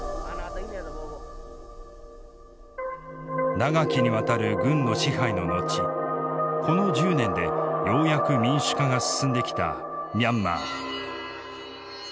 長きにわたる軍の支配の後この１０年でようやく民主化が進んできたミャンマー。